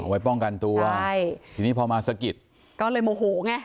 ไว้ป้องกันตัวใช่ทีนี้พอมาสะกิดก็เลยโมโหไง